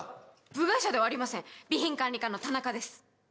部外者ではありません備品管理課の田中です。